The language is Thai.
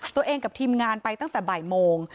ตัวเองกับทีมงานไปตั้งแต่บ่ายโมง